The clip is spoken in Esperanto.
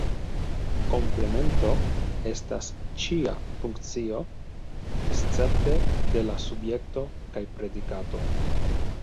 Komplemento estas ĉia funkcio, escepte de la subjekto kaj predikato.